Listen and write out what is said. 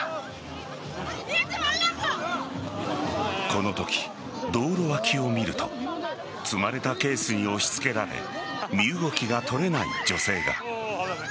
このとき、道路脇を見ると積まれたケースに押し付けられ身動きが取れない女性が。